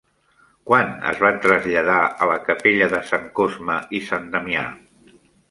Quan es van traslladar a la capella de Sant Cosme i Sant Damià?